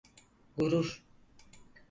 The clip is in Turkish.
Gurur.